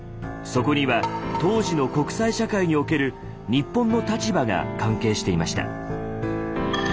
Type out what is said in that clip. そこには当時の国際社会における日本の立場が関係していました。